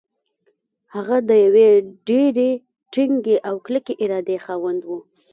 هغه د يوې ډېرې ټينګې او کلکې ارادې خاوند و.